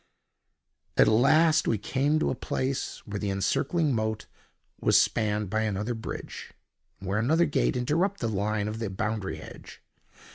At last we came to a place where the encircling moat was spanned by another bridge, and where another gate interrupted the line of the boundary hedge.